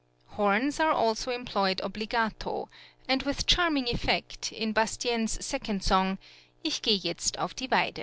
Horns are also employed obbligato, and with charming effect, in Bastienne's second song, "Ich geh jetzt auf die Weide."